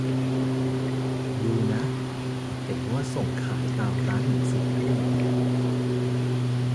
ดูนะ เห็นว่าส่งขายตามร้านหนังสือด้วย